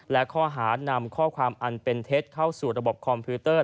และข้อหานำข้อความอันเป็นเท็จเข้าสู่ระบบคอมพิวเตอร์